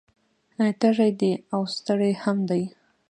تږی دی او ستړی هم دی